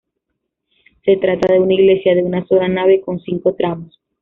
Se trata de una iglesia de una sola nave con cinco tramos.